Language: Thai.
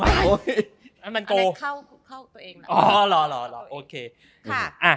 อันนั้นเข้าตัวเอง